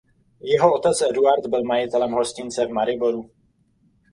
Jeho otec Eduard byl majitelem hostince v Mariboru.